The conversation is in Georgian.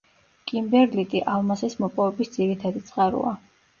კიმბერლიტი ალმასის მოპოვების ძირითადი წყაროა.